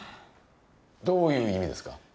どういう意味ですか？